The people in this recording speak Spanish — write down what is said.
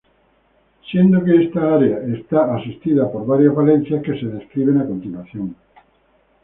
Siendo que esta área está asistida por varias valencias que se describen a continuación.